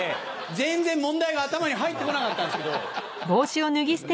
全然問題が頭に入って来なかったんですけど。